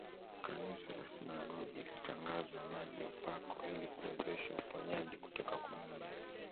Kanisa la sinagogi ilitangaza maji ya upako ili kuwezesha uponyaji kutoka kwa Mungu